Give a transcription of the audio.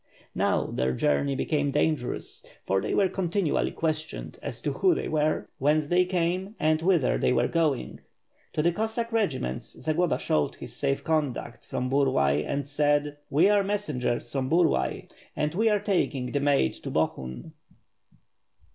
Now, their journey became dangerous, for they were continually questioned as to who they were, whence they came, and whither they were going. To the Cossack regiments Zagloba showed his safe conduct from Burlay, and said: "We are messengers from Burdaj and we are taking the maid to Bohun.'